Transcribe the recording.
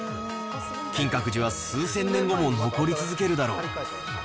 金閣寺は数千年後も残り続けるだろう。